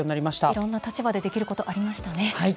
いろんな立場でできることありましたね。